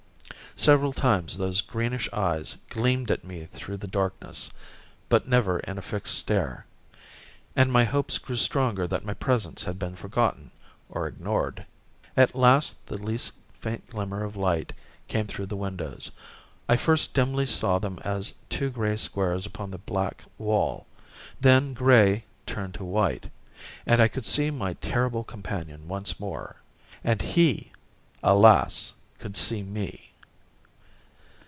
Several times those greenish eyes gleamed at me through the darkness, but never in a fixed stare, and my hopes grew stronger that my presence had been forgotten or ignored. At last the least faint glimmer of light came through the windows I first dimly saw them as two grey squares upon the black wall, then grey turned to white, and I could see my terrible companion once more. And he, alas, could see me!